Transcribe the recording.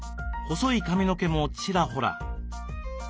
細い髪の毛もちらほら。